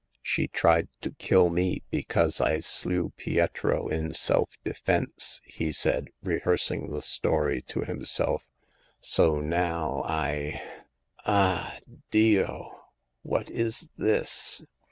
She tried to kill me because I slew Pietro in self defense/' he said, rehearsing the story to himself ;" so now I— ah ! Dio ! What is this